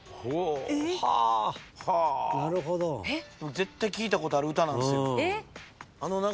絶対聞いたことある歌なんすよ。